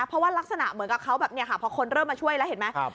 เพราะว่ารักษณะเหมือนกับเขาแบบเนี่ยค่ะพอคนเริ่มมาช่วยแล้วเห็นไหม